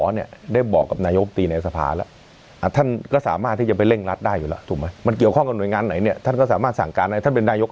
ให้เวลาอีกกี่วัน